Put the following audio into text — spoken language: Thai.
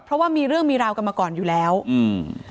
เพราะว่ามีเรื่องมีราวกันมาก่อนอยู่แล้วอืม